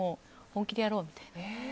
本気でやろうみたいな。